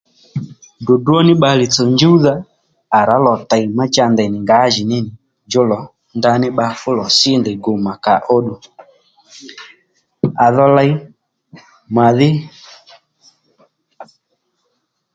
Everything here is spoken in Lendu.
Dròdró ní bbalè tsò njúwdha à rǎ lò tèy má cha ndèynì ngǎjìní nì djú lò ndaní bba fú lò sí ndèy gu mà kàóddù à dho ley màdhí